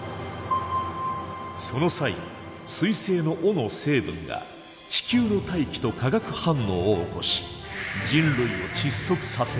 その際彗星の尾の成分が地球の大気と化学反応を起こし人類を窒息させる。